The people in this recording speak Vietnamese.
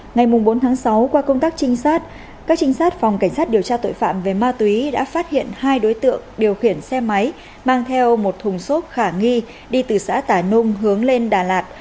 ngày bốn sáu qua công tác trinh sát các trinh sát phòng cảnh sát điều tra tội phạm về ma túy đã phát hiện hai đối tượng điều khiển xe máy mang theo một thùng xốp khả nghi đi từ xã tà nung hướng lên đà lạt